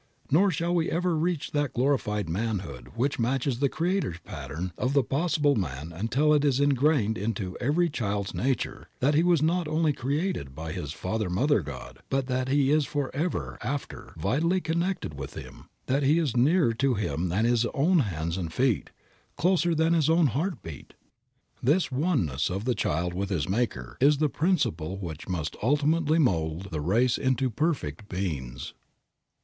Nor shall we ever reach that glorified manhood which matches the Creator's pattern of the possible man until it is ingrained into every child's nature that he was not only created by his Father Mother God, but that he is forever after vitally connected with Him, that He is nearer to him than his own hands and feet, closer than his own heartbeat. This oneness of the child with his Maker is the principle which must ultimately mold the race into perfect beings.